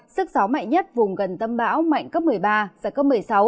sức gió mạnh nhất vùng gần tâm bão mạnh cấp một mươi ba giật cấp một mươi sáu